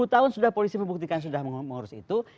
dua puluh tahun sudah polisi membuktikan sudah mengurus itu